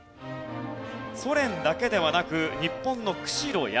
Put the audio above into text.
ソ連だけではなく日本の釧路や。